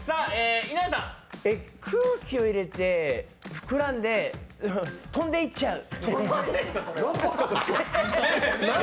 空気を入れて、膨らんで、飛んでいっちゃう。